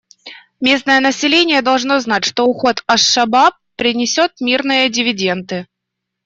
Местное население должно знать, что уход «Аш-Шабааб» принесет мирные дивиденды.